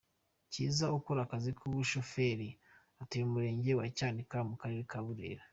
Cyiza, ukora akazi k’ubushoferi, atuye mu murenge wa Cyanika, mu karere ka Burera.